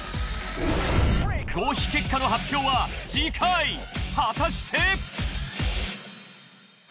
合否結果の発表は次回果たして！？